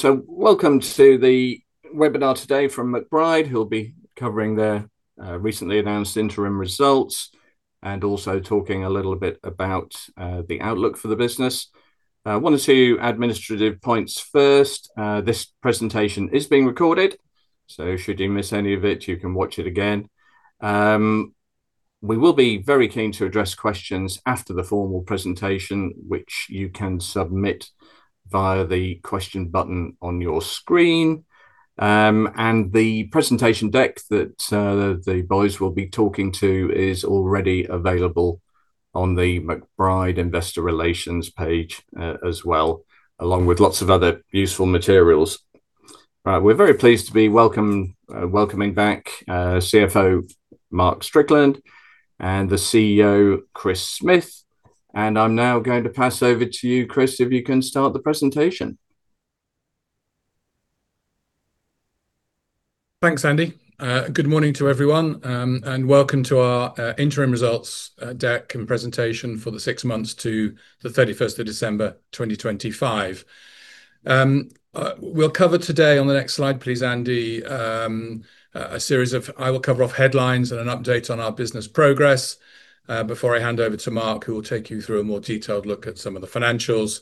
Welcome to the webinar today from McBride, who'll be covering their recently announced interim results and also talking a little bit about the outlook for the business. One or two administrative points first. This presentation is being recorded, so should you miss any of it, you can watch it again. We will be very keen to address questions after the formal presentation, which you can submit via the question button on your screen. The presentation deck that the boys will be talking to is already available on the McBride Investor Relations page as well, along with lots of other useful materials. We're very pleased to be welcoming back CFO Mark Strickland and the CEO, Chris Smith, and I'm now going to pass over to you, Chris, if you can start the presentation. Thanks, Andy. Good morning to everyone, and welcome to our Interim Results Deck and Presentation for the six months to the 31st of December, 2025. We'll cover today, on the next slide, please, Andy, I will cover off headlines and an update on our business progress, before I hand over to Mark, who will take you through a more detailed look at some of the financials,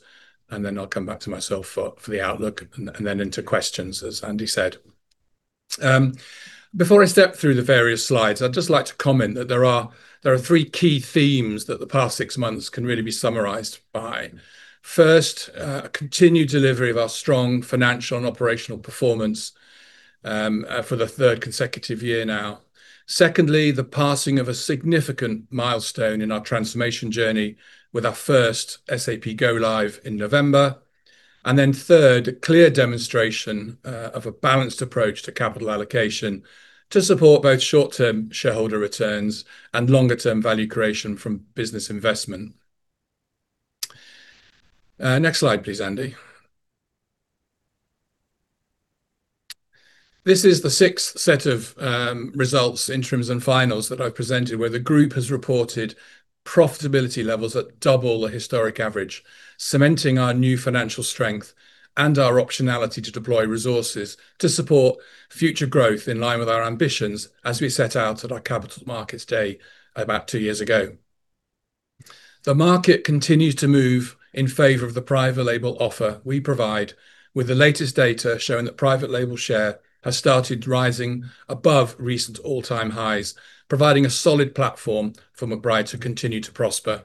and then I'll come back to myself for the outlook, and then into questions, as Andy said. Before I step through the various slides, I'd just like to comment that there are three key themes that the past six months can really be summarized by. First, continued delivery of our strong financial and operational performance, for the 3rd consecutive year now. Secondly, the passing of a significant milestone in our transformation journey with our first SAP go-live in November. Third, a clear demonstration of a balanced approach to capital allocation to support both short-term shareholder returns and longer-term value creation from business investment. Next slide, please, Andy. This is the sixth set of results, interims and finals, that I've presented, where the group has reported profitability levels at double the historic average, cementing our new financial strength and our optionality to deploy resources to support future growth in line with our ambitions as we set out at our Capital Markets Day about two years ago. The market continues to move in favor of the private label offer we provide, with the latest data showing that private label share has started rising above recent all-time highs, providing a solid platform for McBride to continue to prosper.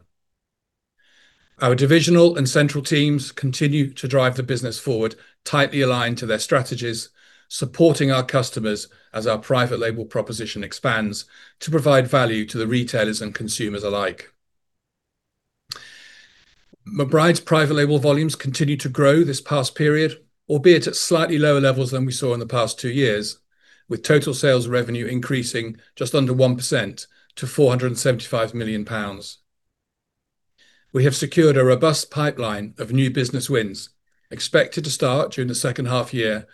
Our divisional and central teams continue to drive the business forward, tightly aligned to their strategies, supporting our customers as our private label proposition expands to provide value to the retailers and consumers alike. McBride's private label volumes continued to grow this past period, albeit at slightly lower levels than we saw in the past two years, with total sales revenue increasing just under 1% to 475 million pounds. We have secured a robust pipeline of new business wins expected to start during the second half year,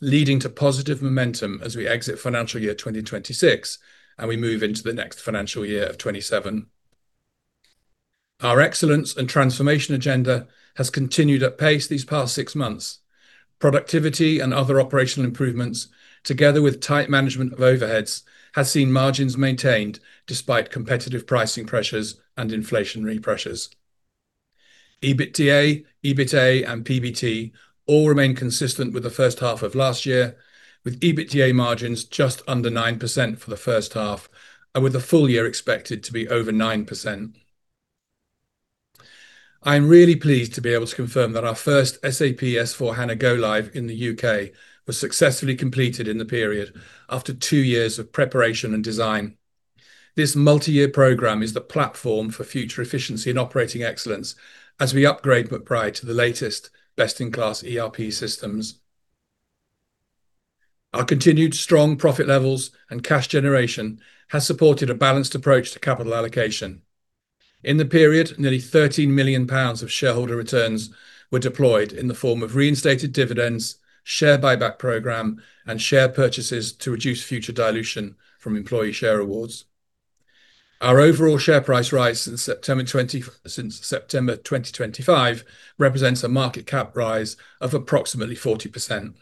leading to positive momentum as we exit financial year 2026. We move into the next financial year of 2027. Our excellence and transformation agenda has continued at pace these past six months. Productivity and other operational improvements, together with tight management of overheads, has seen margins maintained despite competitive pricing pressures and inflationary pressures. EBITDA, EBITA, and PBT all remain consistent with the first half of last year, with EBITDA margins just under 9% for the first half and with the full year expected to be over 9%. I'm really pleased to be able to confirm that our first SAP S/4HANA go-live in the U.K. was successfully completed in the period, after two years of preparation and design. This multi-year program is the platform for future efficiency and operating excellence as we upgrade McBride to the latest best-in-class ERP systems. Our continued strong profit levels and cash generation has supported a balanced approach to capital allocation. In the period, nearly 13 million pounds of shareholder returns were deployed in the form of reinstated dividends, share buyback program, and share purchases to reduce future dilution from employee share awards. Our overall share price rise since September 2025 represents a market cap rise of approximately 40%.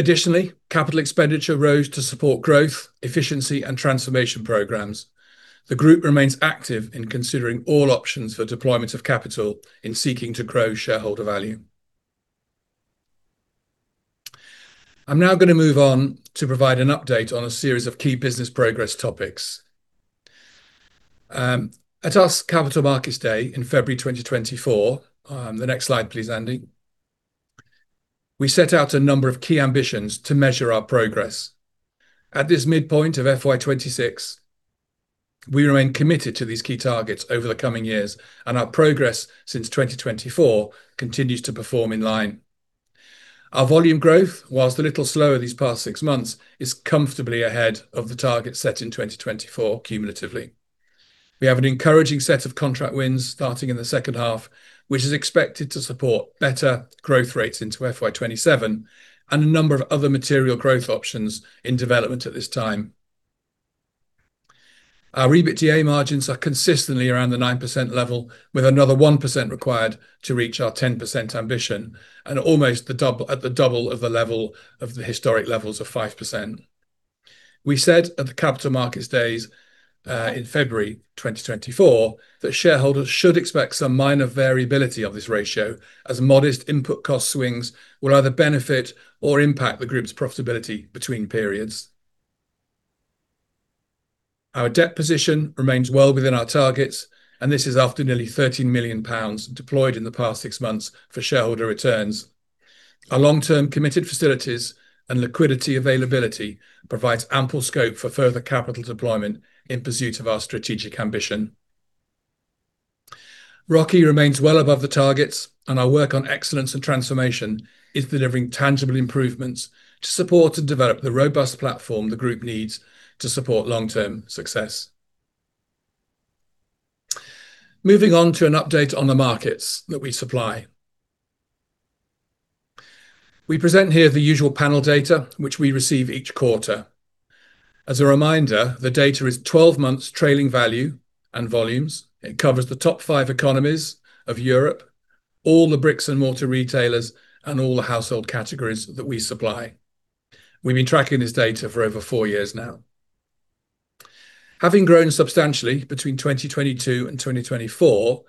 Capital expenditure rose to support growth, efficiency, and transformation programs. The group remains active in considering all options for deployment of capital in seeking to grow shareholder value. I'm now gonna move on to provide an update on a series of key business progress topics. At our Capital Markets Day in February 2024, the next slide, please, Andy, we set out a number of key ambitions to measure our progress. At this midpoint of FY 2026, we remain committed to these key targets over the coming years, and our progress since 2024 continues to perform in line. Our volume growth, whilst a little slower these past six months, is comfortably ahead of the target set in 2024 cumulatively. We have an encouraging set of contract wins starting in the second half, which is expected to support better growth rates into FY 2027 and a number of other material growth options in development at this time. Our EBITDA margins are consistently around the 9% level, with another 1% required to reach our 10% ambition, and almost the double, at the double of the level of the historic levels of 5%. We said at the Capital Markets Days in February 2024 that shareholders should expect some minor variability of this ratio, as modest input cost swings will either benefit or impact the group's profitability between periods. Our debt position remains well within our targets. This is after nearly 13 million pounds deployed in the past six months for shareholder returns. Our long-term committed facilities and liquidity availability provides ample scope for further capital deployment in pursuit of our strategic ambition. ROCE remains well above the targets, and our work on excellence and transformation is delivering tangible improvements to support and develop the robust platform the group needs to support long-term success. Moving on to an update on the markets that we supply. We present here the usual panel data, which we receive each quarter. As a reminder, the data is 12 months trailing value and volumes. It covers the top five economies of Europe, all the bricks and mortar retailers, and all the household categories that we supply. We've been tracking this data for over four years now. Having grown substantially between 2022 and 2024,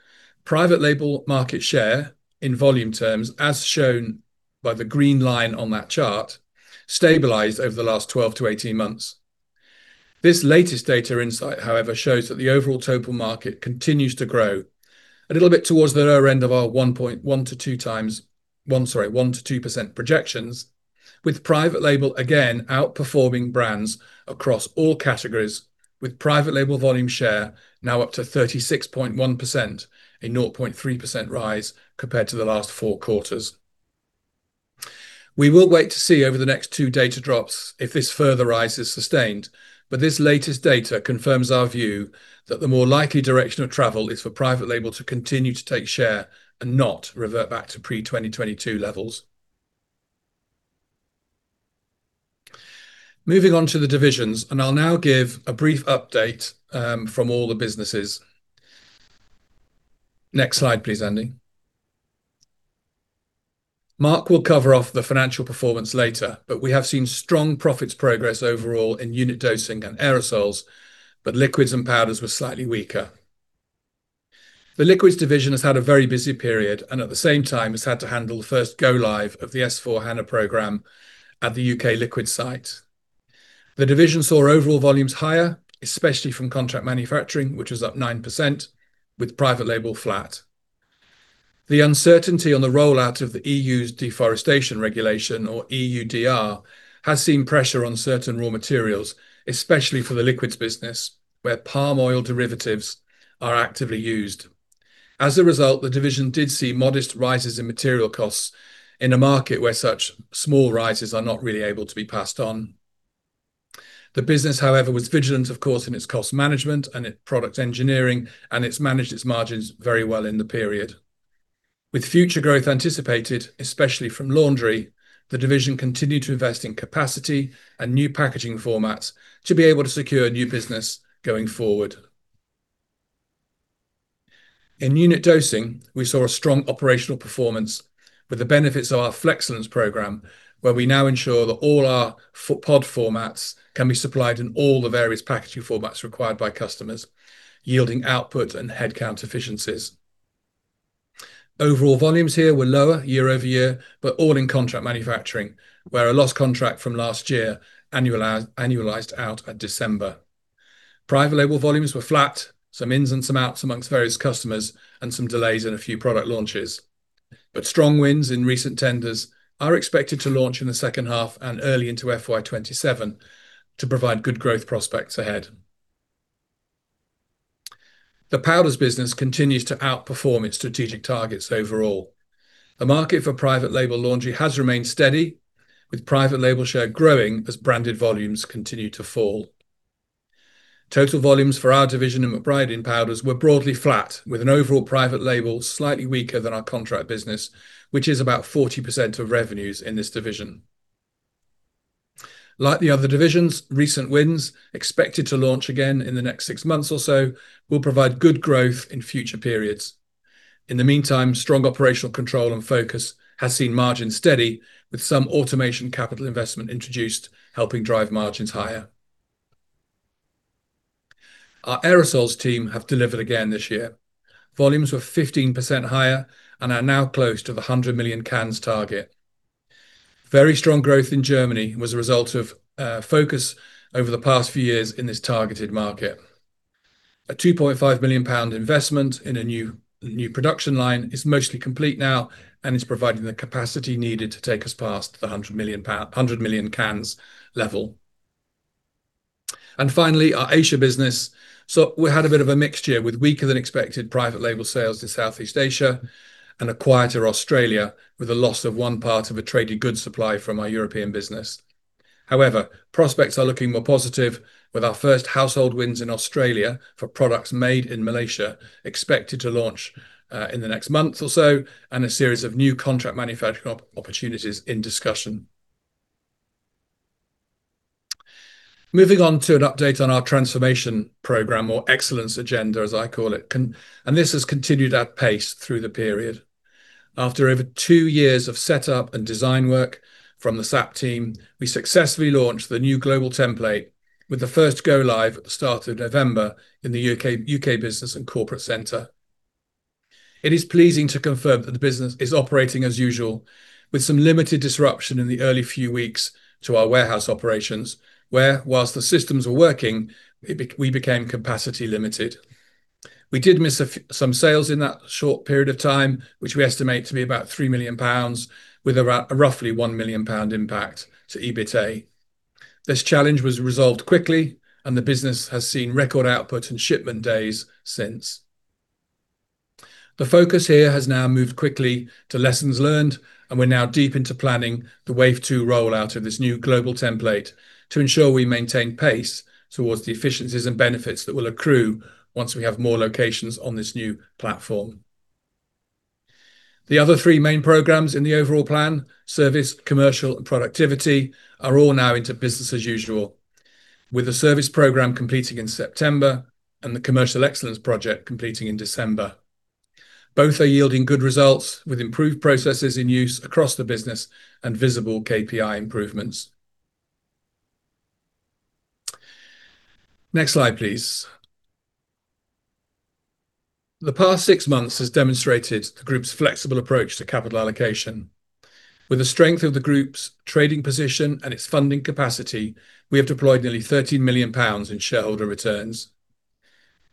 private label market share, in volume terms, as shown by the green line on that chart, stabilized over the last 12-18 months. This latest data insight, however, shows that the overall total market continues to grow a little bit towards the lower end of our 1.1x-2x, sorry, 1%-2% projections, with private label again outperforming brands across all categories, with private label volume share now up to 36.1%, a 0.3% rise compared to the last four quarters. We will wait to see over the next two data drops if this further rise is sustained, but this latest data confirms our view that the more likely direction of travel is for private label to continue to take share and not revert back to pre-2022 levels. Moving on to the divisions, I'll now give a brief update from all the businesses. Next slide, please, Andy. Mark will cover off the financial performance later, but we have seen strong profits progress overall in Unit Dosing and aerosols, but Liquids and Powders were slightly weaker. The Liquids division has had a very busy period and at the same time has had to handle the first go live of the S/4HANA program at the U.K. liquid site. The division saw overall volumes higher, especially from contract manufacturing, which is up 9%, with private label flat. The uncertainty on the rollout of the EU Deforestation Regulation, or EUDR, has seen pressure on certain raw materials, especially for the Liquids business, where palm oil derivatives are actively used. The division did see modest rises in material costs in a market where such small rises are not really able to be passed on. The business, however, was vigilant, of course, in its cost management and in product engineering, and it's managed its margins very well in the period. With future growth anticipated, especially from laundry, the division continued to invest in capacity and new packaging formats to be able to secure new business going forward. In Unit Dosing, we saw a strong operational performance with the benefits of our Flexcellence program, where we now ensure that all our pod formats can be supplied in all the various packaging formats required by customers, yielding output and headcount efficiencies. Overall volumes here were lower year-over-year, but all in contract manufacturing, where a lost contract from last year annualized out at December. Private label volumes were flat, some ins and some outs amongst various customers, and some delays in a few product launches. Strong wins in recent tenders are expected to launch in the second half and early into FY 2027 to provide good growth prospects ahead. The Powders business continues to outperform its strategic targets overall. The market for private label laundry has remained steady, with private label share growing as branded volumes continue to fall. Total volumes for our division in McBride in Powders were broadly flat, with an overall private label slightly weaker than our contract business, which is about 40% of revenues in this division. Like the other divisions, recent wins, expected to launch again in the next six months or so, will provide good growth in future periods. In the meantime, strong operational control and focus has seen margins steady, with some automation capital investment introduced, helping drive margins higher. Our aerosols team have delivered again this year. Volumes were 15% higher and are now close to the 100 million cans target. Very strong growth in Germany was a result of focus over the past few years in this targeted market. A 2.5 million pound investment in a new production line is mostly complete now, and it's providing the capacity needed to take us past the 100 million cans level. Finally, our Asia business. We had a bit of a mixed year, with weaker-than-expected private label sales to Southeast Asia and a quieter Australia, with a loss of one part of a traded good supply from our European business. Prospects are looking more positive, with our first household wins in Australia for products made in Malaysia expected to launch in the next month or so, and a series of new contract manufacturing opportunities in discussion. Moving on to an update on our transformation program or excellence agenda, as I call it, and this has continued at pace through the period. After over two years of setup and design work from the SAP team, we successfully launched the new global template with the first go live at the start of November in the U.K. business and corporate center. It is pleasing to confirm that the business is operating as usual, with some limited disruption in the early few weeks to our warehouse operations, where whilst the systems were working, we became capacity limited. We did miss a few, some sales in that short period of time, which we estimate to be about 3 million pounds, with a roughly 1 million pound impact to EBITDA. This challenge was resolved quickly, and the business has seen record output and shipment days since. The focus here has now moved quickly to lessons learned, and we're now deep into planning the wave two rollout of this new global template to ensure we maintain pace towards the efficiencies and benefits that will accrue once we have more locations on this new platform. The other three main programs in the overall plan, service, commercial, and productivity, are all now into business as usual, with the service program completing in September and the Commercial Excellence project completing in December. Both are yielding good results, with improved processes in use across the business and visible KPI improvements. Next slide, please. The past six months has demonstrated the group's flexible approach to capital allocation. With the strength of the group's trading position and its funding capacity, we have deployed nearly 13 million pounds in shareholder returns.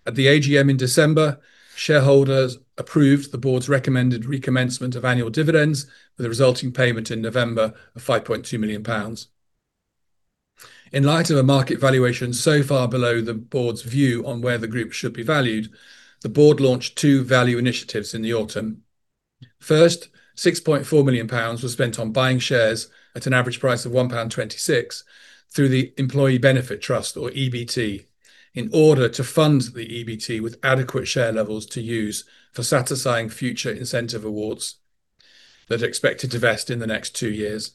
At the AGM in December, shareholders approved the board's recommended recommencement of annual dividends, with a resulting payment in November of 5.2 million pounds. In light of a market valuation so far below the board's view on where the group should be valued, the board launched two value initiatives in the autumn. First, 6.4 million pounds was spent on buying shares at an average price of 1.26 pound through the Employee Benefit Trust, or EBT, in order to fund the EBT with adequate share levels to use for satisfying future incentive awards that are expected to vest in the next two years.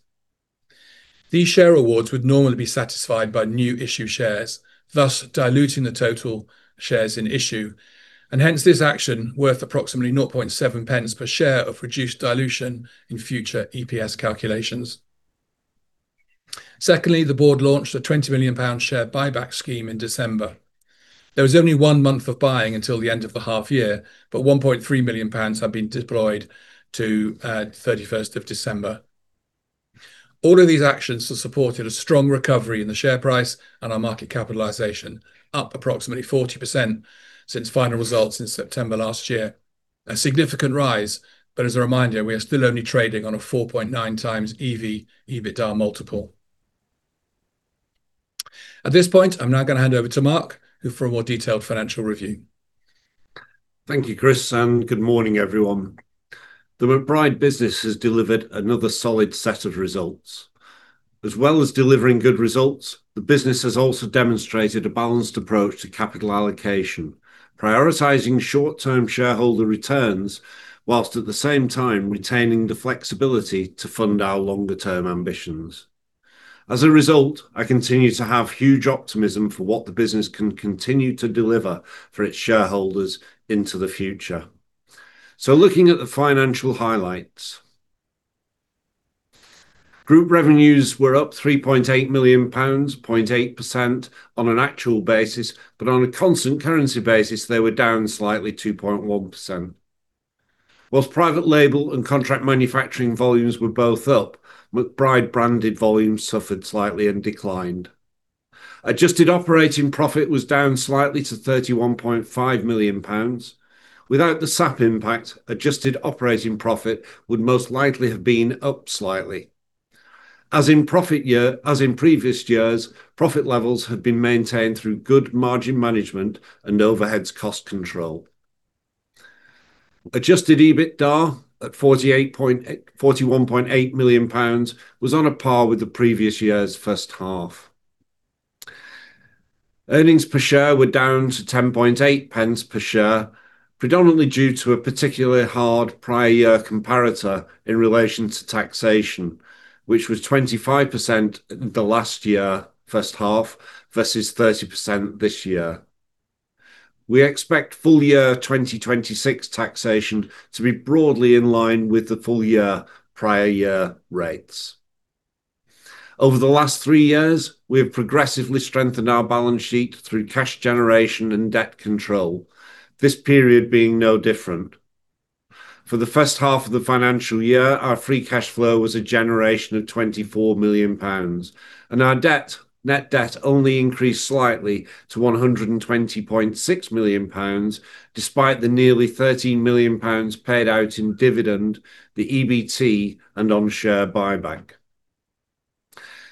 These share awards would normally be satisfied by new issue shares, thus diluting the total shares in issue, hence this action, worth approximately 0.7 pence per share of reduced dilution in future EPS calculations. Secondly, the board launched a 20 million pound share buyback scheme in December. There was only one month of buying until the end of the half year, 1.3 million pounds had been deployed to 31st of December. All of these actions have supported a strong recovery in the share price and our market capitalization, up approximately 40% since final results in September last year. A significant rise, as a reminder, we are still only trading on a 4.9x EV/EBITDA multiple. At this point, I'm now gonna hand over to Mark, who for a more detailed financial review. Thank you, Chris, and good morning, everyone. The McBride business has delivered another solid set of results. As well as delivering good results, the business has also demonstrated a balanced approach to capital allocation, prioritizing short-term shareholder returns, while at the same time retaining the flexibility to fund our longer-term ambitions. As a result, I continue to have huge optimism for what the business can continue to deliver for its shareholders into the future. Looking at the financial highlights. Group revenues were up 3.8 million pounds, 0.8% on an actual basis, but on a constant currency basis, they were down slightly, 2.1%. While private label and contract manufacturing volumes were both up, McBride branded volumes suffered slightly and declined. Adjusted operating profit was down slightly to 31.5 million pounds. Without the SAP impact, adjusted operating profit would most likely have been up slightly. In previous years, profit levels have been maintained through good margin management and overheads cost control. Adjusted EBITDA at 41.8 million pounds was on a par with the previous year's first half. Earnings per share were down to 10.8 pence per share, predominantly due to a particularly hard prior year comparator in relation to taxation, which was 25% the last year, first half, versus 30% this year. We expect full year 2026 taxation to be broadly in line with the full year prior year rates. Over the last three years, we have progressively strengthened our balance sheet through cash generation and debt control, this period being no different. For the first half of the financial year, our free cash flow was a generation of 24 million pounds, and our debt, net debt only increased slightly to 120.6 million pounds, despite the nearly 13 million pounds paid out in dividend, the EBT, and on share buyback.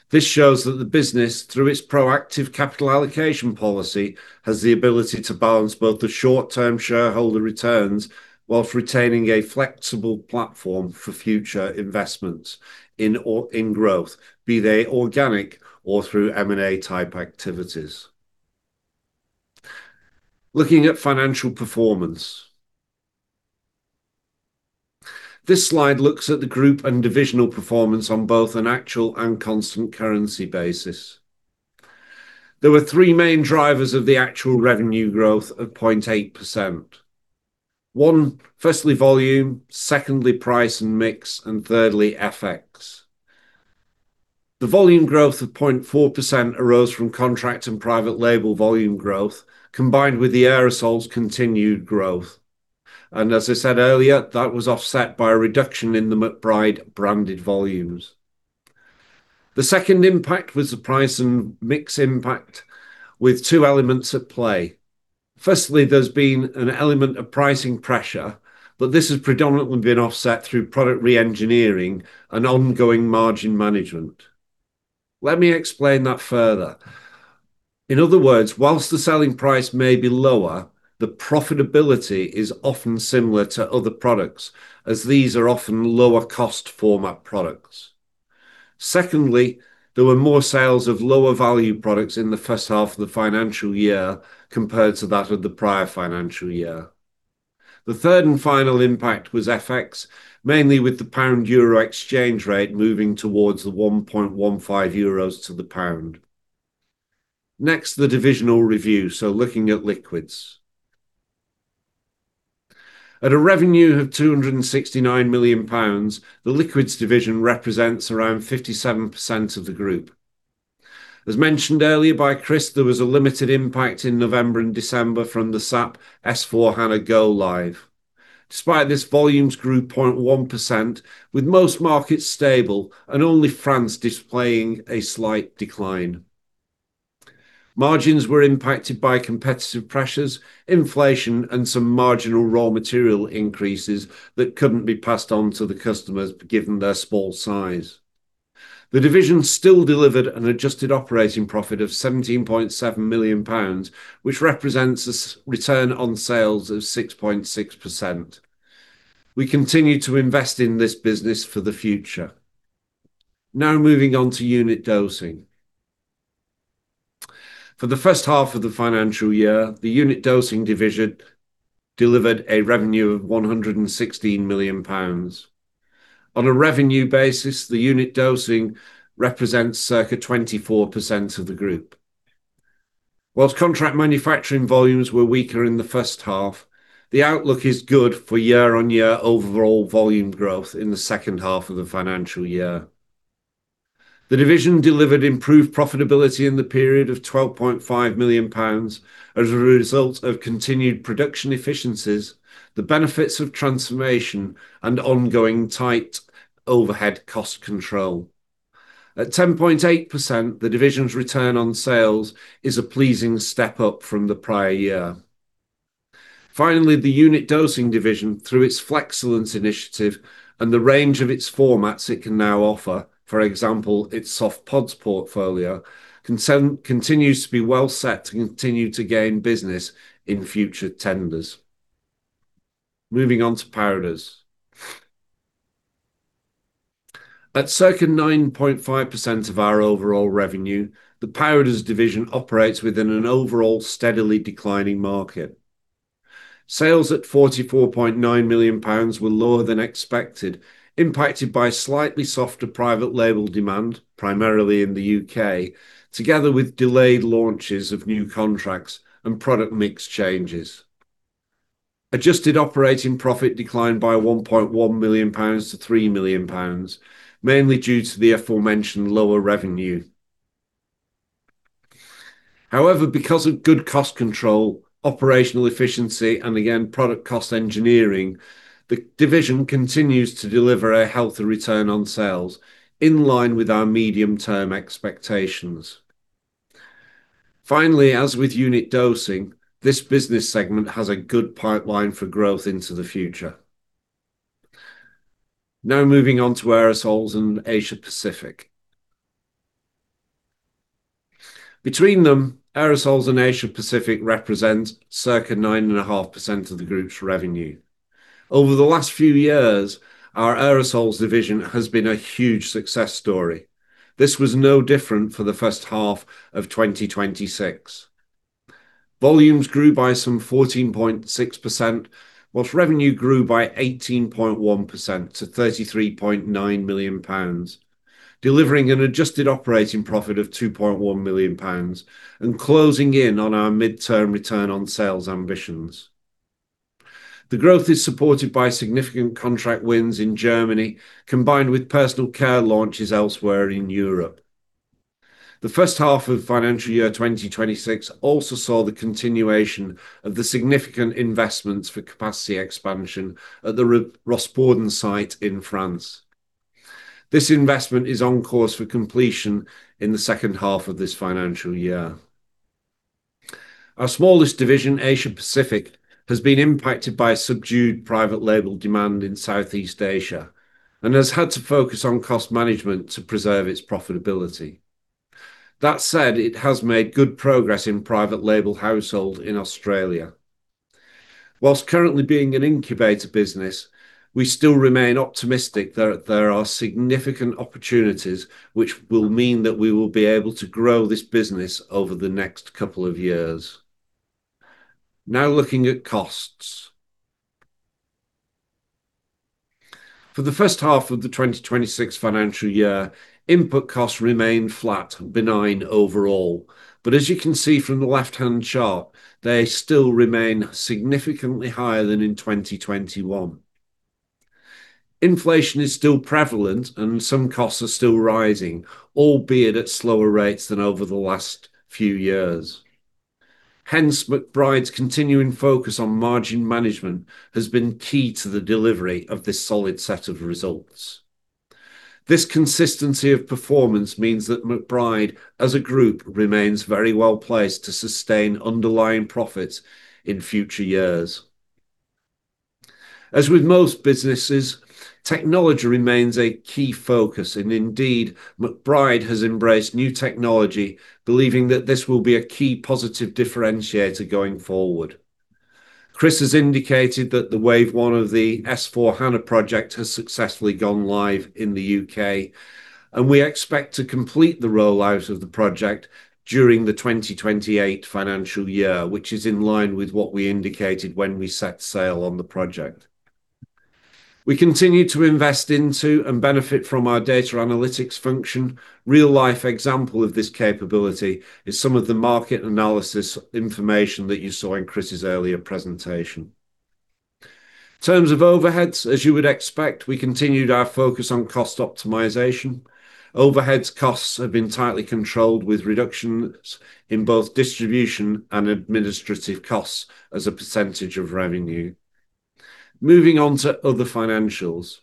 This shows that the business, through its proactive capital allocation policy, has the ability to balance both the short-term shareholder returns whilst retaining a flexible platform for future investments in or, in growth, be they organic or through M&A type activities. Looking at financial performance. This slide looks at the group and divisional performance on both an actual and constant currency basis. There were three main drivers of the actual revenue growth of 0.8%. One, firstly, volume; secondly, price and mix; and thirdly, FX. The volume growth of 0.4% arose from contract and private label volume growth, combined with the aerosols continued growth. As I said earlier, that was offset by a reduction in the McBride branded volumes. The second impact was the price and mix impact, with two elements at play. Firstly, there's been an element of pricing pressure, but this has predominantly been offset through product re-engineering and ongoing margin management. Let me explain that further. In other words, whilst the selling price may be lower, the profitability is often similar to other products, as these are often lower cost format products. Secondly, there were more sales of lower value products in the first half of the financial year compared to that of the prior financial year. The third and final impact was FX, mainly with the pound-euro exchange rate moving towards 1.15 euros to the pound. The divisional review, looking at Liquids. At a revenue of 269 million pounds, the Liquids division represents around 57% of the group. As mentioned earlier by Chris, there was a limited impact in November and December from the SAP S/4HANA Go Live. Despite this, volumes grew 0.1%, with most markets stable and only France displaying a slight decline. Margins were impacted by competitive pressures, inflation, and some marginal raw material increases that couldn't be passed on to the customers, given their small size. The division still delivered an adjusted operating profit of 17.7 million pounds, which represents a return on sales of 6.6%. We continue to invest in this business for the future. Moving on to Unit Dosing. For the first half of the financial year, the Unit Dosing division delivered a revenue of 116 million pounds. On a revenue basis, the Unit Dosing represents circa 24% of the group. Contract manufacturing volumes were weaker in the first half, the outlook is good for year-on-year overall volume growth in the second half of the financial year. The division delivered improved profitability in the period of 12.5 million pounds as a result of continued production efficiencies, the benefits of transformation, and ongoing tight overhead cost control. At 10.8%, the division's return on sales is a pleasing step up from the prior year. Finally, the Unit Dosing division, through its Flexcellence initiative and the range of its formats it can now offer, for example, its soft pods portfolio, continues to be well set to continue to gain business in future tenders. Moving on to Powders. At circa 9.5% of our overall revenue, the Powders division operates within an overall steadily declining market. Sales at 44.9 million pounds were lower than expected, impacted by slightly softer private label demand, primarily in the U.K., together with delayed launches of new contracts and product mix changes. Adjusted operating profit declined by 1.1 million pounds to 3 million pounds, mainly due to the aforementioned lower revenue. However, because of good cost control, operational efficiency, and again, product cost engineering, the division continues to deliver a healthy return on sales in line with our medium-term expectations. Finally, as with Unit Dosing, this business segment has a good pipeline for growth into the future. Moving on to aerosols and Asia Pacific. Between them, aerosols and Asia Pacific represent circa 9.5% of the group's revenue. Over the last few years, our aerosols division has been a huge success story. This was no different for the first half of 2026. Volumes grew by some 14.6%, whilst revenue grew by 18.1% to 33.9 million pounds, delivering an adjusted operating profit of 2.1 million pounds and closing in on our midterm return on sales ambitions. The growth is supported by significant contract wins in Germany, combined with personal care launches elsewhere in Europe. The first half of financial year 2026 also saw the continuation of the significant investments for capacity expansion at the Rosporden site in France. This investment is on course for completion in the second half of this financial year. Our smallest division, Asia Pacific, has been impacted by a subdued private label demand in Southeast Asia and has had to focus on cost management to preserve its profitability. That said, it has made good progress in private label household in Australia. Whilst currently being an incubator business, we still remain optimistic that there are significant opportunities which will mean that we will be able to grow this business over the next couple of years. Looking at costs. For the first half of the 2026 financial year, input costs remained flat, benign overall. As you can see from the left-hand chart, they still remain significantly higher than in 2021. Inflation is still prevalent, and some costs are still rising, albeit at slower rates than over the last few years. Hence, McBride's continuing focus on margin management has been key to the delivery of this solid set of results. This consistency of performance means that McBride, as a group, remains very well placed to sustain underlying profits in future years. As with most businesses, technology remains a key focus, and indeed, McBride has embraced new technology, believing that this will be a key positive differentiator going forward. Chris has indicated that the wave one of the S/4HANA project has successfully gone live in the U.K., and we expect to complete the rollout of the project during the 2028 financial year, which is in line with what we indicated when we set sail on the project. We continue to invest into and benefit from our data analytics function. Real-life example of this capability is some of the market analysis information that you saw in Chris's earlier presentation. In terms of overheads, as you would expect, we continued our focus on cost optimization. Overheads costs have been tightly controlled, with reductions in both distribution and administrative costs as a % of revenue. Moving on to other financials.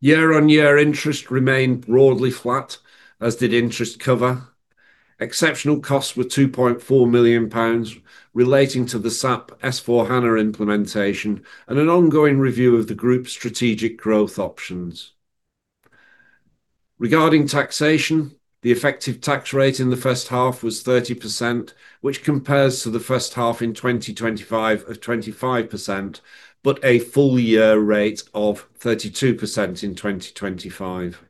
Year-on-year interest remained broadly flat, as did interest cover. Exceptional costs were 2.4 million pounds relating to the SAP S/4HANA implementation and an ongoing review of the group's strategic growth options. Regarding taxation, the effective tax rate in the first half was 30%, which compares to the first half in 2025 of 25%, but a full year rate of 32% in 2025.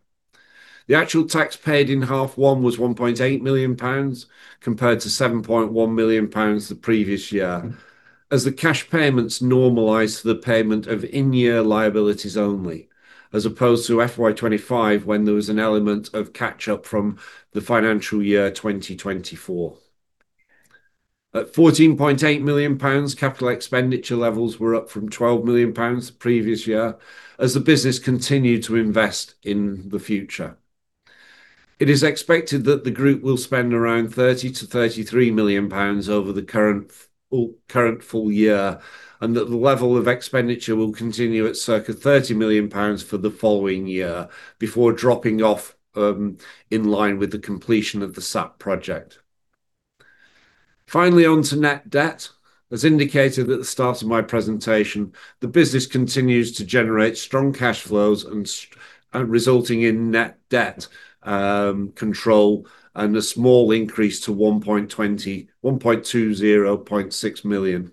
The actual tax paid in half 1 was 1.8 million pounds, compared to 7.1 million pounds the previous year, as the cash payments normalized to the payment of in-year liabilities only, as opposed to FY 2025, when there was an element of catch-up from the financial year 2024. At 14.8 million pounds, capital expenditure levels were up from 12 million pounds the previous year as the business continued to invest in the future. It is expected that the group will spend around 30 million-33 million pounds over the current or current full year, and that the level of expenditure will continue at circa 30 million pounds for the following year before dropping off in line with the completion of the SAP project. Finally, on to net debt. As indicated at the start of my presentation, the business continues to generate strong cash flows and resulting in net debt control and a small increase to 1.206 million.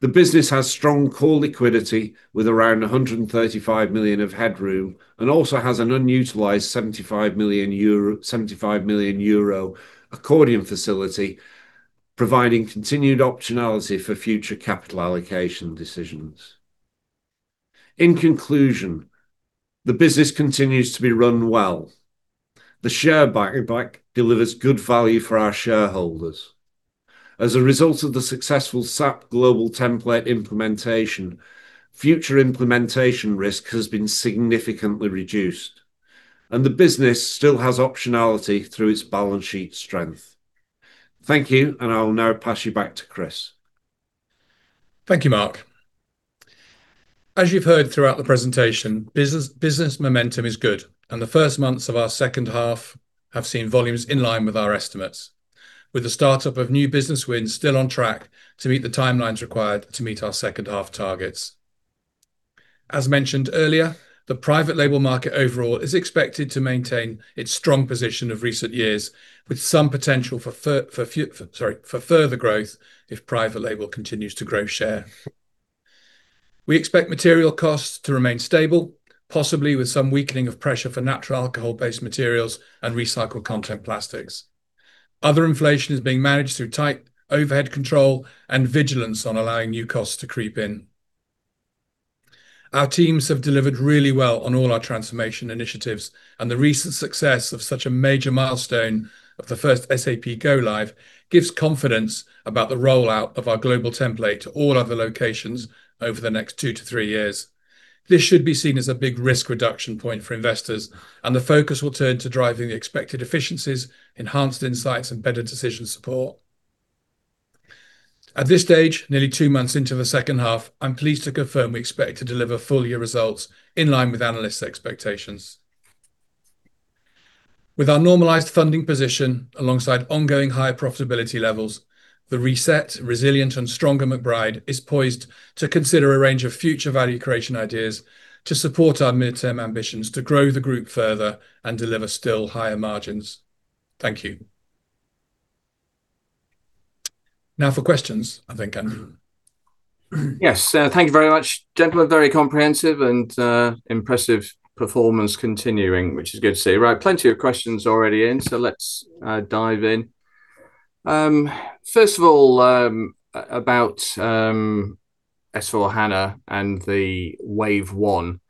The business has strong core liquidity, with around 135 million of headroom, and also has an unutilized 75 million euro accordion facility, providing continued optionality for future capital allocation decisions. In conclusion, the business continues to be run well. The share buyback delivers good value for our shareholders. As a result of the successful SAP global template implementation, future implementation risk has been significantly reduced, and the business still has optionality through its balance sheet strength. Thank you. I'll now pass you back to Chris. Thank you, Mark. As you've heard throughout the presentation, business momentum is good, and the first months of our second half have seen volumes in line with our estimates, with the start-up of new business wins still on track to meet the timelines required to meet our second-half targets. As mentioned earlier, the private label market overall is expected to maintain its strong position of recent years, with some potential for further growth if private label continues to grow share. We expect material costs to remain stable, possibly with some weakening of pressure for natural alcohol-based materials and recycled content plastics. Other inflation is being managed through tight overhead control and vigilance on allowing new costs to creep in. Our teams have delivered really well on all our transformation initiatives, and the recent success of such a major milestone of the first SAP go live gives confidence about the rollout of our global template to all other locations over the next two-three years. This should be seen as a big risk reduction point for investors, and the focus will turn to driving the expected efficiencies, enhanced insights, and better decision support. At this stage, nearly two months into the second half, I'm pleased to confirm we expect to deliver full year results in line with analysts' expectations. With our normalized funding position alongside ongoing high profitability levels, the reset, resilient, and stronger McBride is poised to consider a range of future value creation ideas to support our midterm ambitions to grow the group further and deliver still higher margins. Thank you. For questions, I think, Andrew. Thank you very much, gentlemen. Very comprehensive and impressive performance continuing, which is good to see. Plenty of questions already in, so let's dive in. First of all, about S/4HANA and the Wave One.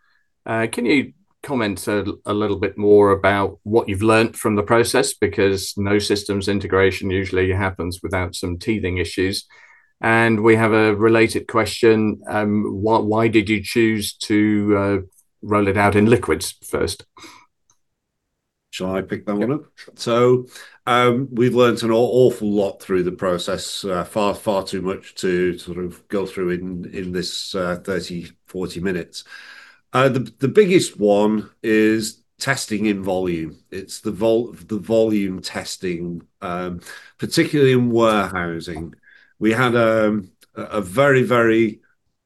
Can you comment a little bit more about what you've learned from the process? No systems integration usually happens without some teething issues. We have a related question, why did you choose to roll it out in Liquids first? Shall I pick that one up? Yeah. We've learnt an awful lot through the process, far, far too much to sort of go through in this, 30, 40 minutes. The biggest one is testing in volume. It's the volume testing, particularly in warehousing. We had a very, very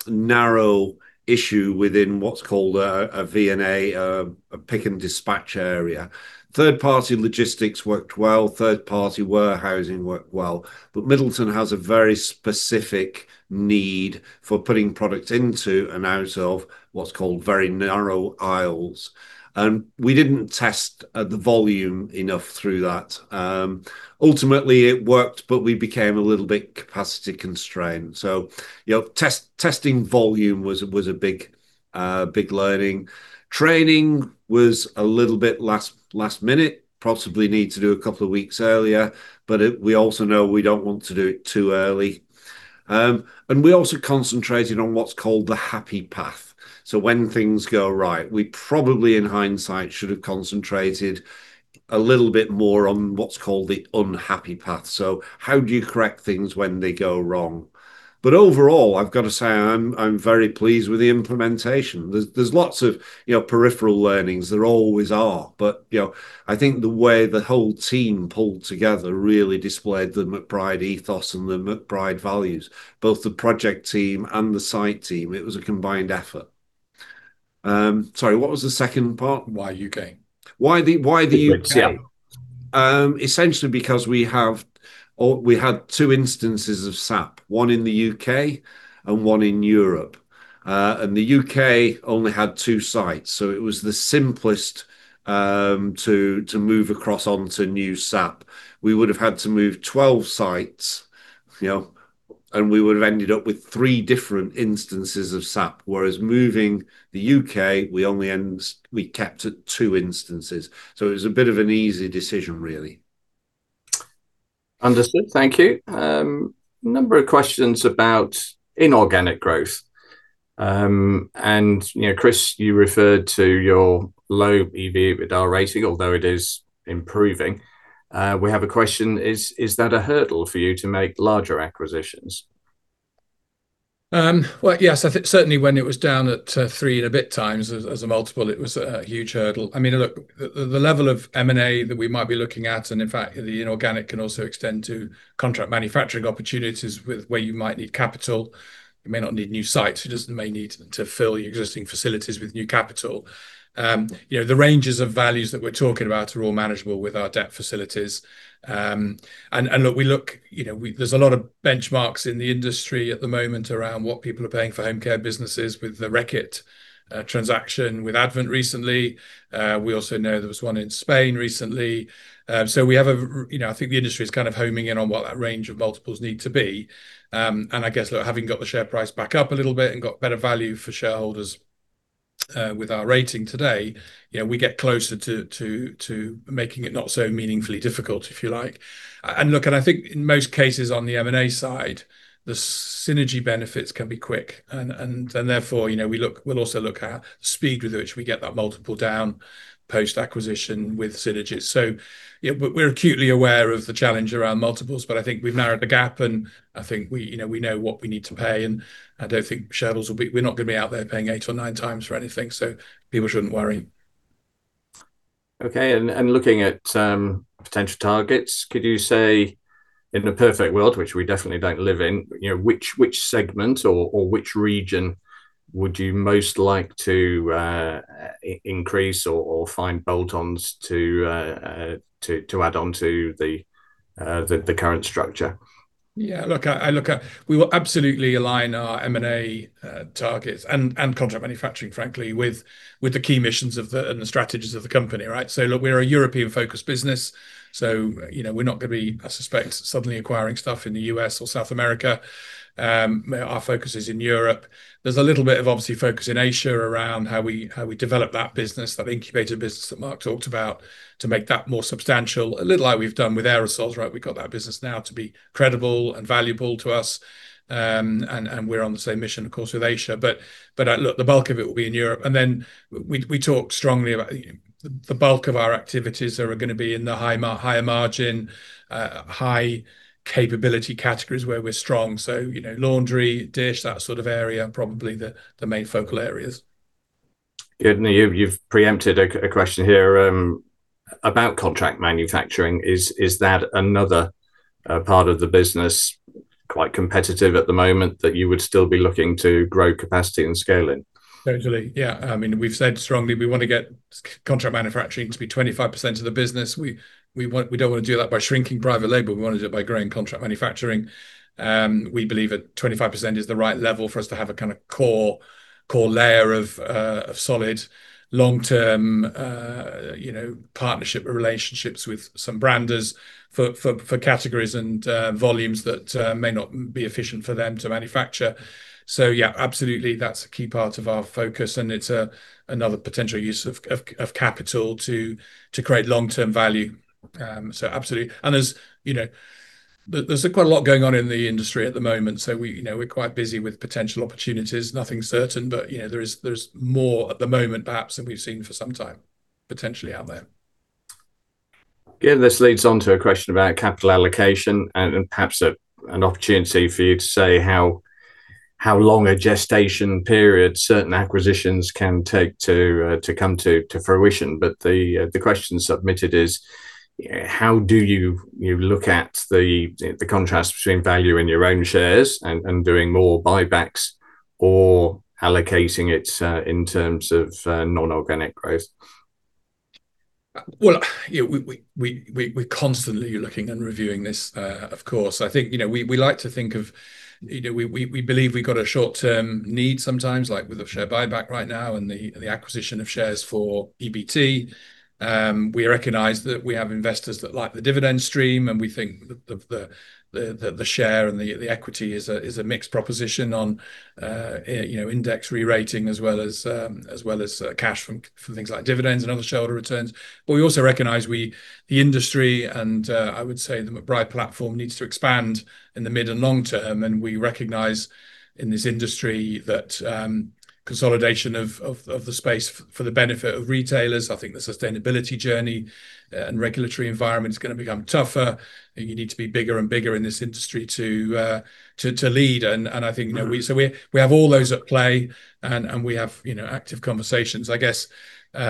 narrow issue within what's called a VNA, a pick and dispatch area. Third party logistics worked well, third party warehousing worked well, but Middleton has a very specific need for putting product into and out of what's called very narrow aisles, and we didn't test the volume enough through that. Ultimately it worked, but we became a little bit capacity constrained. you know, testing volume was a big learning. Training was a little bit last minute, we also know we don't want to do it too early. We also concentrated on what's called the happy path, so when things go right. We probably, in hindsight, should have concentrated a little bit more on what's called the unhappy path, so how do you correct things when they go wrong? Overall, I'm very pleased with the implementation. There's lots of, you know, peripheral learnings. There always are. You know, I think the way the whole team pulled together really displayed the McBride ethos and the McBride values, both the project team and the site team, it was a combined effort. Sorry, what was the second part? Why U.K.? Why the U.K.? The U.K. Essentially because we have, or we had two instances of SAP, one in the U.K. and one in Europe. The U.K. only had two sites, so it was the simplest to move across onto new SAP. We would have had to move 12 sites, you know, and we would have ended up with three different instances of SAP, whereas moving the U.K., we only kept at two instances. It was a bit of an easy decision, really. Understood. Thank you. A number of questions about inorganic growth. You know, Chris, you referred to your low EV/EBITDA rating, although it is improving. We have a question, is that a hurdle for you to make larger acquisitions? Well, yes, I think certainly when it was down at three and a bit times as a multiple, it was a huge hurdle. I mean, look, the level of M&A that we might be looking at, in fact, the inorganic can also extend to contract manufacturing opportunities with where you might need capital. You may not need new sites, you just may need to fill your existing facilities with new capital. You know, the ranges of values that we're talking about are all manageable with our debt facilities. Look, you know, there's a lot of benchmarks in the industry at the moment around what people are paying for home care businesses with the Reckitt transaction with Advent recently. We also know there was one in Spain recently. We have a, you know, I think the industry is kind of homing in on what that range of multiples need to be. I guess that having got the share price back up a little bit and got better value for shareholders, with our rating today, you know, we get closer to making it not so meaningfully difficult, if you like. Look, I think in most cases on the M&A side, the synergy benefits can be quick, and then therefore, you know, we'll also look at speed with which we get that multiple down post-acquisition with synergies. Yeah, we're acutely aware of the challenge around multiples. I think we've narrowed the gap. I think we, you know, we know what we need to pay. I don't think shareholders, we're not gonna be out there paying eight or nine times for anything. People shouldn't worry. Looking at potential targets, could you say in a perfect world, which we definitely don't live in, you know, which segment or which region would you most like to increase or find bolt-ons to add on to the current structure? Yeah, look, I, look, we will absolutely align our M&A targets and contract manufacturing, frankly, with the key missions and the strategies of the company, right? Look, we're a European-focused business, you know, we're not gonna be, I suspect, suddenly acquiring stuff in the U.S. or South America. Our focus is in Europe. There's a little bit of, obviously, focus in Asia around how we develop that business, that incubator business that Mark talked about, to make that more substantial, a little like we've done with aerosols, right? We've got that business now to be credible and valuable to us, and we're on the same mission, of course, with Asia. Look, the bulk of it will be in Europe, we talked strongly about the bulk of our activities are gonna be in the higher margin, high capability categories where we're strong. You know, laundry, dish, that sort of area, are probably the main focal areas. Good. Now, you've preempted a question here about contract manufacturing. Is that another part of the business quite competitive at the moment that you would still be looking to grow capacity and scale in? Totally, yeah. I mean, we've said strongly we wanna get contract manufacturing to be 25% of the business. We don't wanna do that by shrinking private label, we wanna do it by growing contract manufacturing. We believe that 25% is the right level for us to have a kind of core layer of solid long-term, you know, partnership or relationships with some branders for categories and volumes that may not be efficient for them to manufacture. Yeah, absolutely, that's a key part of our focus, and it's another potential use of capital to create long-term value. absolutely. There's, you know, there's quite a lot going on in the industry at the moment, so we, you know, we're quite busy with potential opportunities. Nothing certain, you know, there is, there's more at the moment perhaps than we've seen for some time potentially out there. Yeah, this leads on to a question about capital allocation, and then perhaps an opportunity for you to say how long a gestation period certain acquisitions can take to come to fruition. The question submitted is, "How do you look at the contrast between value in your own shares and doing more buybacks or allocating it in terms of non-organic growth? Well, you know, we're constantly looking and reviewing this, of course. I think, you know, we like to think of. You know, we believe we've got a short-term need sometimes, like with the share buyback right now and the acquisition of shares for EBT. We recognize that we have investors that like the dividend stream, and we think that the share and the equity is a mixed proposition on, you know, index re-rating, as well as cash from things like dividends and other shareholder returns. We also recognize we, the industry, and I would say the McBride platform needs to expand in the mid and long term, and we recognize in this industry that consolidation of the space for the benefit of retailers, I think the sustainability journey and regulatory environment is gonna become tougher, and you need to be bigger and bigger in this industry to lead. I think, you know, we have all those at play, and we have, you know, active conversations. I guess, you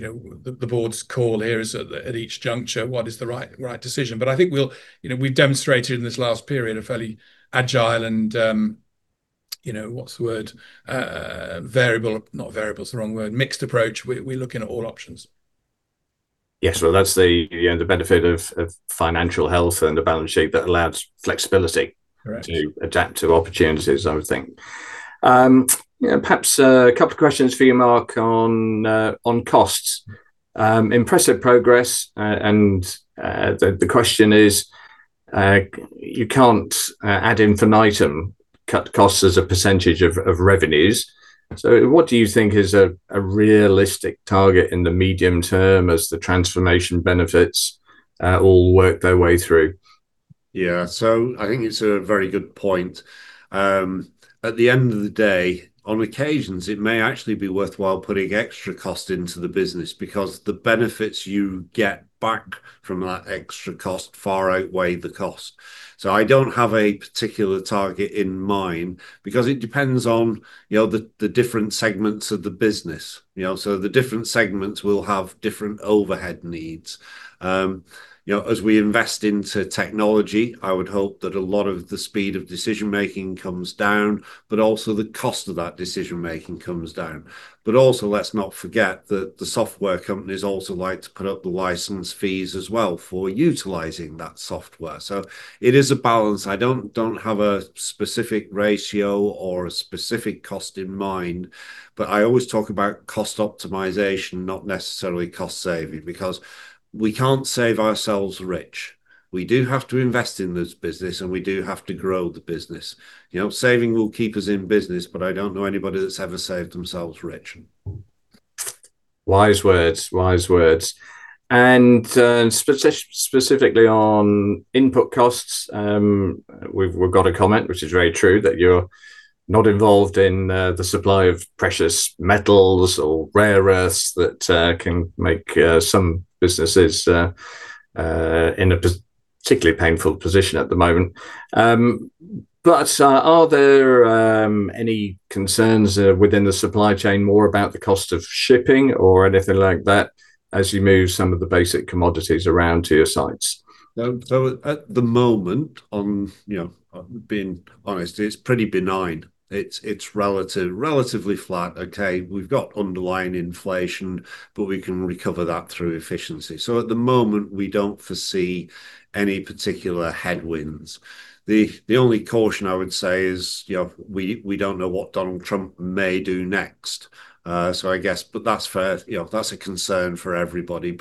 know, the board's call here is at each juncture, what is the right decision? I think we'll. You know, we've demonstrated in this last period a fairly agile and, you know, what's the word? Variable. Not variable, it's the wrong word. Mixed approach. We're looking at all options. Yes. Well, that's the, you know, the benefit of financial health and a balance sheet that allows flexibility. Correct To adapt to opportunities, I would think. You know, perhaps, a couple of questions for you, Mark, on costs. Impressive progress, and the question is, you can't, ad infinitum cut costs as a % of revenues. What do you think is a realistic target in the medium term as the transformation benefits all work their way through? Yeah, I think it's a very good point. At the end of the day, on occasions, it may actually be worthwhile putting extra cost into the business because the benefits you get back from that extra cost far outweigh the cost. I don't have a particular target in mind because it depends on, you know, the different segments of the business, you know? The different segments will have different overhead needs. You know, as we invest into technology, I would hope that a lot of the speed of decision-making comes down, but also the cost of that decision-making comes down. Also, let's not forget that the software companies also like to put up the license fees as well for utilizing that software. It is a balance. I don't have a specific ratio or a specific cost in mind, but I always talk about cost optimization, not necessarily cost saving, because we can't save ourselves rich. We do have to invest in this business, and we do have to grow the business. You know, saving will keep us in business, but I don't know anybody that's ever saved themselves rich. Wise words, wise words. Specifically on input costs, we've got a comment, which is very true, that you're not involved in the supply of precious metals or rare earths that can make some businesses in a particularly painful position at the moment. Are there any concerns within the supply chain more about the cost of shipping or anything like that as you move some of the basic commodities around to your sites? At the moment, you know, I'm being honest, it's pretty benign. It's relatively flat. Okay, we've got underlying inflation, but we can recover that through efficiency. At the moment, we don't foresee any particular headwinds. The only caution I would say is, you know, we don't know what Donald Trump may do next. I guess, but that's fair. You know, that's a concern for everybody.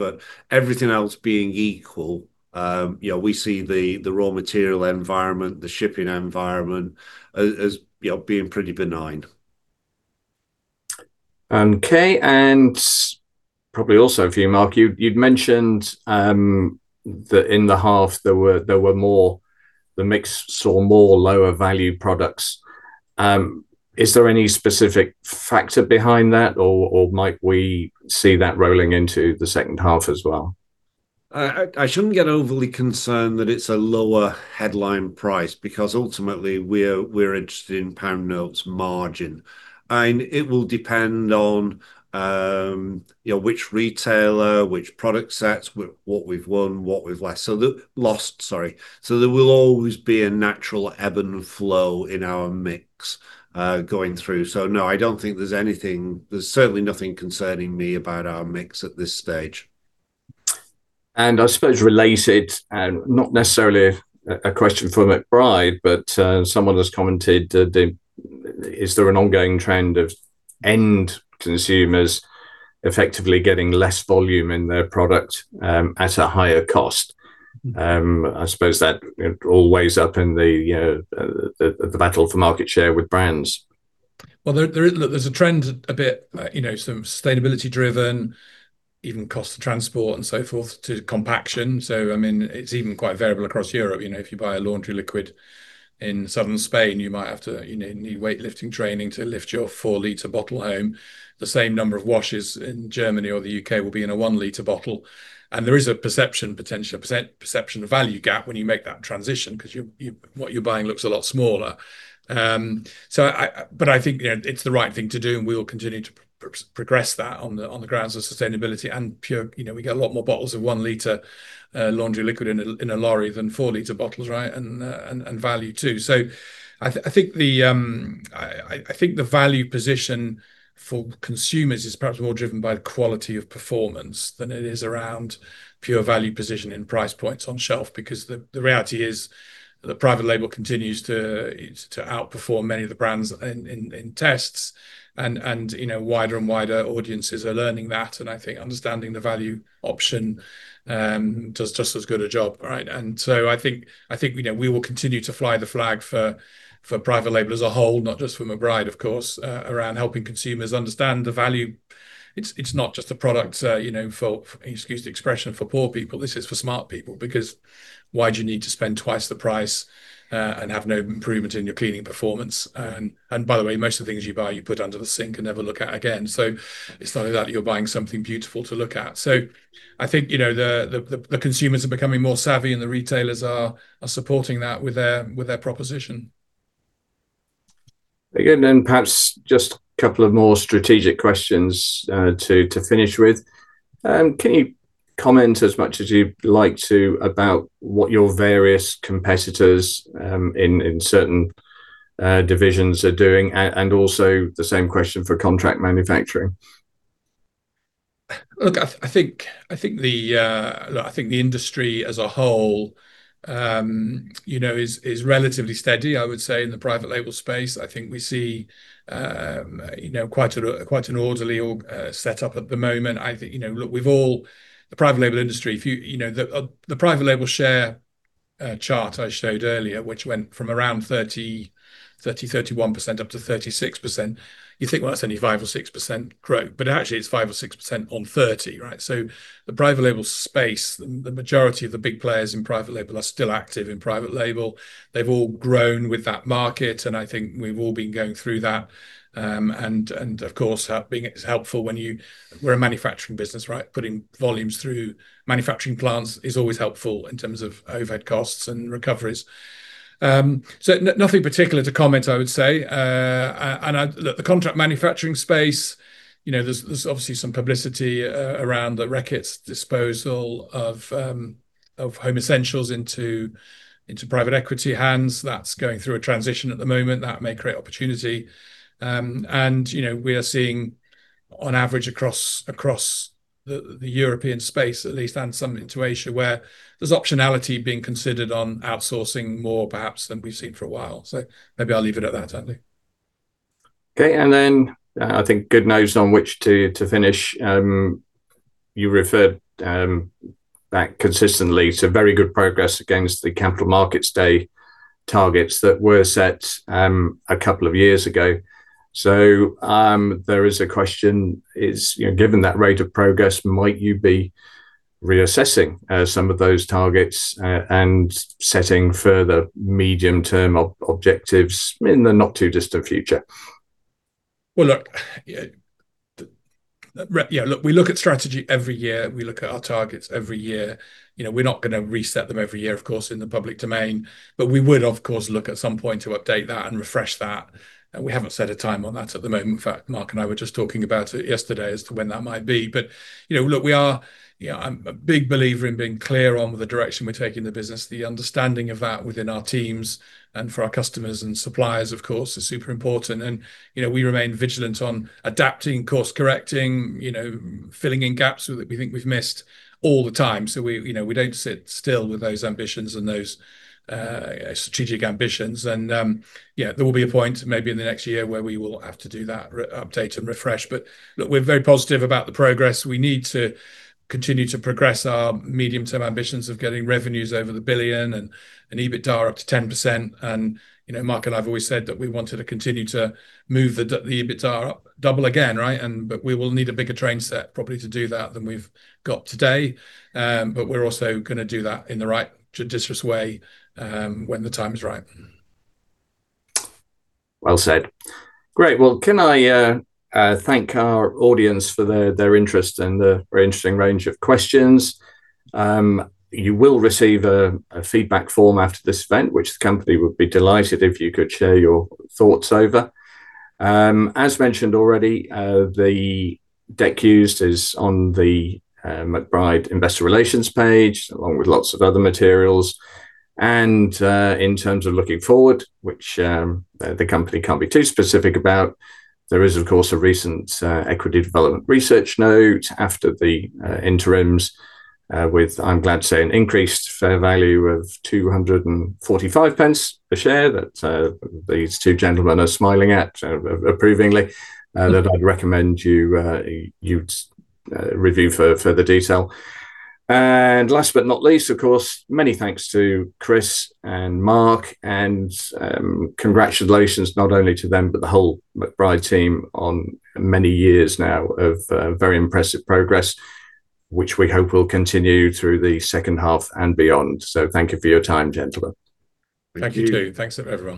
Everything else being equal, you know, we see the raw material environment, the shipping environment, as, you know, being pretty benign. Okay, probably also for you, Mark, you'd mentioned that in the half, there were more the mix saw more lower value products. Is there any specific factor behind that, or might we see that rolling into the second half as well? I shouldn't get overly concerned that it's a lower headline price, because ultimately we're interested in pound notes margin. It will depend on, you know, which retailer, which product sets, what we've won, what we've lost. Lost, sorry. There will always be a natural ebb and flow in our mix going through. No, I don't think there's anything, there's certainly nothing concerning me about our mix at this stage. I suppose related, and not necessarily a question for McBride, but someone has commented that, "Is there an ongoing trend of end consumers effectively getting less volume in their product at a higher cost?" I suppose that all weighs up in the, you know, the battle for market share with brands. There, there is a trend a bit, you know, some sustainability driven, even cost of transport and so forth, to compaction. It's even quite variable across Europe. You know, if you buy a laundry liquid in southern Spain, you might have to, you know, need weightlifting training to lift your four-liter bottle home. The same number of washes in Germany or the U.K. will be in a one-liter bottle. There is a perception, potentially a % perception of value gap when you make that transition, 'cause your, what you're buying looks a lot smaller. I think, you know, it's the right thing to do, and we will continue to progress that on the grounds of sustainability and pure. You know, we get a lot more bottles of 1 liter, laundry liquid in a lorry than four-liter bottles, right? Value too. I think the value position for consumers is perhaps more driven by the quality of performance than it is around pure value position in price points on shelf. The reality is, that private label continues to outperform many of the brands in tests, and, you know, wider and wider audiences are learning that, and I think understanding the value option does just as good a job, right? I think, you know, we will continue to fly the flag for private label as a whole, not just for McBride, of course, around helping consumers understand the value. It's not just a product, you know, for, excuse the expression, for poor people. This is for smart people, because why do you need to spend twice the price, and have no improvement in your cleaning performance? By the way, most of the things you buy, you put under the sink and never look at again. It's not like that you're buying something beautiful to look at. I think, you know, the consumers are becoming more savvy, and the retailers are supporting that with their, with their proposition. Again, perhaps just a couple of more strategic questions, to finish with. Can you comment as much as you'd like to, about what your various competitors, in certain, divisions are doing, and also the same question for contract manufacturing? Look, I think the industry as a whole, you know, is relatively steady. I would say in the private label space, I think we see, you know, quite an orderly set up at the moment. I think, look, we've all, the private label industry, if you, the private label share chart I showed earlier, which went from around 30%, 30%, 31% up to 36%, you think, "Well, that's only 5% or 6% growth," but actually it's 5% or 6% on 30, right? The private label space, the majority of the big players in private label are still active in private label. They've all grown with that market, and I think we've all been going through that. Of course, it's helpful when we're a manufacturing business, right? Putting volumes through manufacturing plants is always helpful in terms of overhead costs and recoveries. Nothing particular to comment, I would say. The contract manufacturing space, you know, there's obviously some publicity around the Reckitt's disposal of Essential Home into private equity hands. That's going through a transition at the moment, that may create opportunity. You know, we are seeing on average across the European space at least, and something to Asia, where there's optionality being considered on outsourcing more perhaps than we've seen for a while. Maybe I'll leave it at that, Andy. Okay, I think good notes on which to finish. You referred back consistently to very good progress against the Capital Markets Day targets that were set a couple of years ago. There is a question: is, you know, given that rate of progress, might you be reassessing some of those targets and setting further medium-term objectives in the not-too-distant future? Well, look, yeah, look, we look at strategy every year, we look at our targets every year. You know, we're not gonna reset them every year, of course, in the public domain, but we would, of course, look at some point to update that and refresh that. We haven't set a time on that at the moment. In fact, Mark and I were just talking about it yesterday as to when that might be. You know, look, You know, I'm a big believer in being clear on the direction we're taking the business, the understanding of that within our teams and for our customers and suppliers, of course, is super important. You know, we remain vigilant on adapting, course correcting, you know, filling in gaps that we think we've missed all the time. We, you know, we don't sit still with those ambitions and those, strategic ambitions. Yeah, there will be a point, maybe in the next year, where we will have to do that update and refresh. Look, we're very positive about the progress. We need to continue to progress our medium-term ambitions of getting revenues over 1 billion, and EBITDA up to 10%. You know, Mark and I have always said that we wanted to continue to move the EBITDA up, double again, right? But we will need a bigger train set, probably, to do that than we've got today. We're also gonna do that in the right, judicious way, when the time is right. Well said. Great! Well, can I thank our audience for their interest and the very interesting range of questions. You will receive a feedback form after this event, which the company would be delighted if you could share your thoughts over. As mentioned already, the deck used is on the McBride Investor Relations page, along with lots of other materials. In terms of looking forward, which the company can't be too specific about, there is, of course, a recent Equity Development research note after the interims, with, I'm glad to say, an increased fair value of 245 pence a share, that these two gentlemen are smiling at approvingly, that I'd recommend you review for further detail. Last but not least, of course, many thanks to Chris and Mark, and congratulations not only to them, but the whole McBride team on many years now of very impressive progress, which we hope will continue through the second half and beyond. Thank you for your time, gentlemen. Thank you. Thank you too. Thanks, everyone.